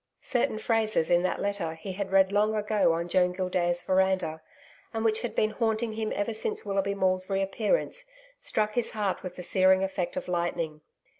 Certain phrases in that letter he had read long ago on Joan Gildea's veranda, and which had been haunting him ever since Willoughby Maule's re appearance, struck his heart with the searing effect of lightning.